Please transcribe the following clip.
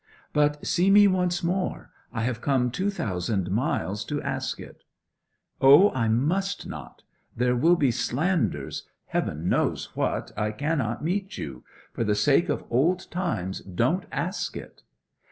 'But see me once more! I have come two thousand miles to ask it.' 'O, I must not! There will be slanders Heaven knows what! I cannot meet you. For the sake of old times don't ask it.'